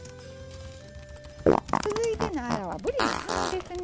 続いてのアラはぶりのカマですね。